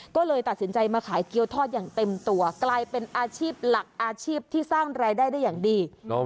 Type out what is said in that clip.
ก็เลยตัดสินใจมาขายเกี้ยวทอดอย่างเต็มตัวกลายเป็นอาชีพหลักอาชีพที่สร้างรายได้ได้อย่างดี